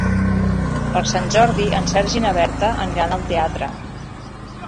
Per Sant Jordi en Sergi i na Berta aniran al teatre.